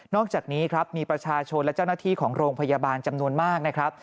อกจากนี้ครับมีประชาชนและเจ้าหน้าที่ของโรงพยาบาลจำนวนมากนะครับ